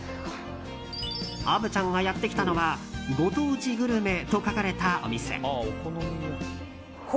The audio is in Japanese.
虻ちゃんがやってきたのはご当地グルメと書かれたお店。